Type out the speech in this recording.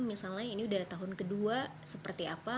misalnya ini udah tahun kedua seperti apa